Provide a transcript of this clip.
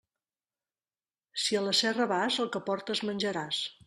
Si a la serra vas, el que portes, menjaràs.